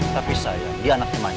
tapi sayang dia anaknya manja